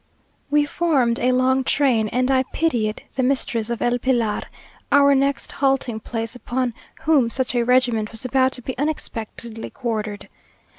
We formed a long train, and I pitied the mistress of El Pilar, our next halting place, upon whom such a regiment was about to be unexpectedly quartered.